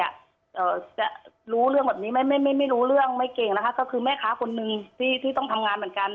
จะรู้เรื่องแบบนี้ไม่ไม่ไม่รู้เรื่องไม่เก่งนะคะก็คือแม่ค้าคนหนึ่งที่ที่ต้องทำงานเหมือนกัน